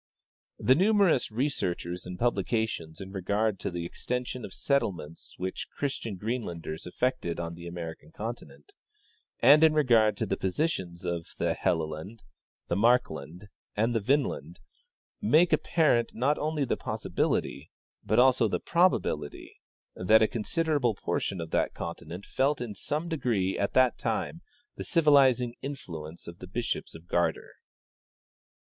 " The numerous researches and publications in regard to the extension of settlements which Christian Greenlanders effected on the American continent, and in regard to the positions of the Helleland, the Markland and the Vinland, make apparent, not only the possibility, but also the probability, that a considerable portion of that continent felt in some degree at that time the civilizing influence of the bishops of Gardar.